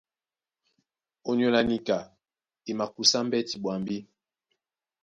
Ónyólá níka e makusá mbɛ́ti ɓwambì.